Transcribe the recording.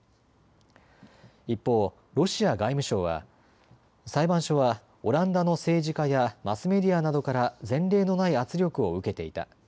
一方、ロシア外務省は裁判所はオランダの政治家やマスメディアなどから前例のない圧力を受けていた。